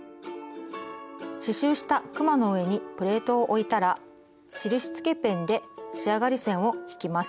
刺しゅうしたくまの上にプレートを置いたら印つけペンで仕上がり線を引きます。